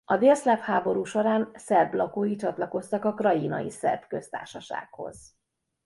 A délszláv háború során szerb lakói csatlakoztak a Krajinai Szerb Köztársasághoz.